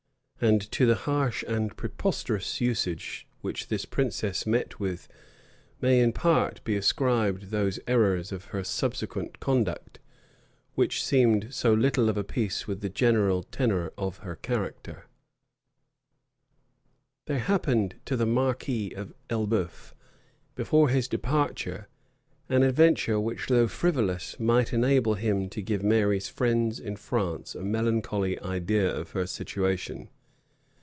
And to the harsh and preposterous usage which this princess met with may, in part, be ascribed those errors of her subsequent conduct which seemed so little of a piece with the general tenor of her character. * Knox, p. 332, 333. Knox, p. 322. Knox, p. 330. Knox, p. 294 There happened to the marquis of Elbeuf, before his departure, an adventure which, though frivolous, might enable him to give Mary's friends in France a melancholy idea of her situation.